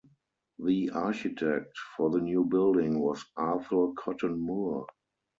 The architect for the new building was Arthur Cotton Moore.